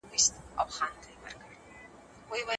که موږ انټرنیټ ولرو نو پوهه مو زیاتیږي.